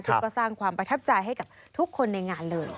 ซึ่งก็สร้างความประทับใจให้กับทุกคนในงานเลย